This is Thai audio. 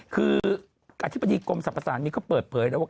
คืออธิบดีกรมศัพท์ภาษานี่เขาเปิดเผยแล้วกัน